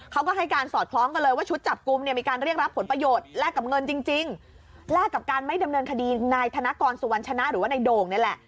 เขาก็ให้การสอดคล้องกันเลยว่าชุดจับกลุ่มเนี่ยมีการเรียกรับผลประโยชน์แลกกับเงินจริงแลกกับการไม่ดำเนินคดีนายธนกรสุวรรณชนะหรือว่านายโด่งนี่แหละ